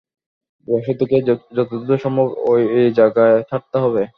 বসতিকে যত দ্রুত সম্ভব, এই জায়গা ছাড়তে হবে।